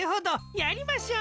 やりましょう。